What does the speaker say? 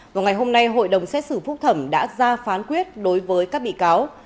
vào ngày hôm nay hội đồng xét xử phúc thẩm đã ra phán quyết đối với các bị cáo